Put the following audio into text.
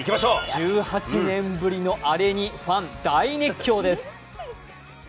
１８年ぶりのアレに、ファン大熱狂です。